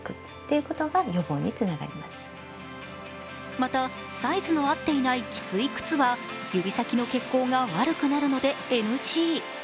また、サイズの合っていないきつい靴は指先の血行が悪くなるのでＮＧ。